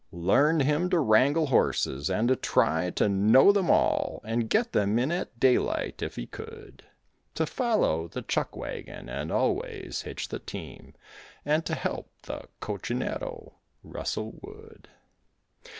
Learned him to wrangle horses and to try to know them all, And get them in at daylight if he could; To follow the chuck wagon and always hitch the team, And to help the cocinero rustle wood.